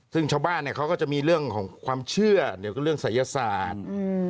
ซึ่งชาวบ้านเนี่ยเขาก็จะมีเรื่องของความเชื่อเรื่องสายยาศาสตร์